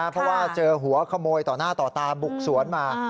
เพราะว่าเจอหัวขโมยต่อหน้าต่อตาบุกสวนมา